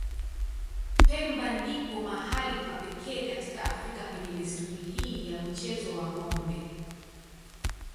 Pemba ndipo mahali pa pekee katika Afrika penye desturi hii ya mchezo wa ng'ombe.